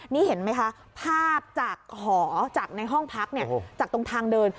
นี่เห็นไหมคะภาพจากหอจากในห้องพักจากตรงทางเดิน